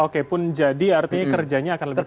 oke pun jadi artinya kerjanya akan lebih besar